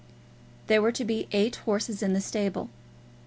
There were to be eight horses in the stable.